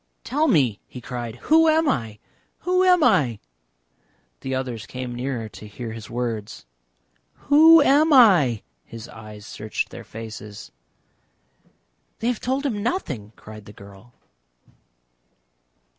"Tell me!" he cried. "Who am I? Who am I?" The others came nearer to hear his words. "Who am I?" His eyes searched their faces. "They have told him nothing!" cried the girl.